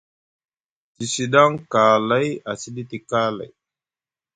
Te sdaŋ kalay a sɗiti kalay.